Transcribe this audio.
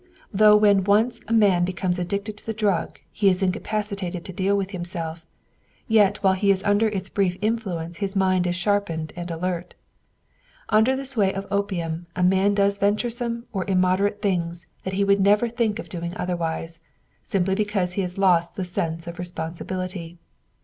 Though when once a man becomes addicted to the drug he is incapacitated to deal with himself, yet while he is under its brief influence his mind is sharpened and alert. Under the sway of opium a man does venturesome or immoderate things that he would never think of doing otherwise, simply because he has lost the sense of responsibility.